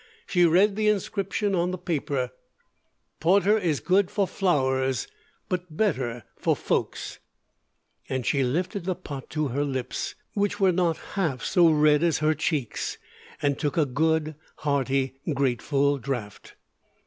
She read the inscription on the paper, porter is good for Flours but better for Fokes and she lifted the pot to her lips, which were not half so red as her cheeks, and took a good, hearty, grateful draught.